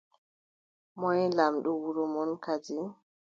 Moy lamɗo wuro mon kadi ?